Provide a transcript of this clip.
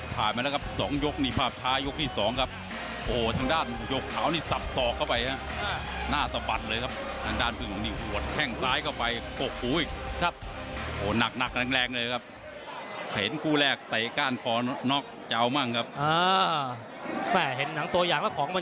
เห็นหนังตัวอย่างเนี่ยของมันขึ้นน่ะพี่ชัยนะ